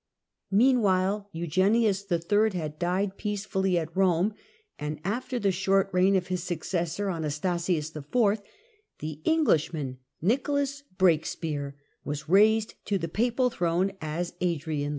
Meanwhile Eugenius III. had died peacefully at Kome, and after the short reign of his successor, Anastasius IV., the Englishman Nicholas Breakspear was raised to the papal throne as Adrian IV.